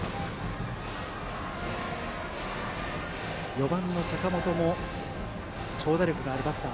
４番の坂元も長打力のあるバッター。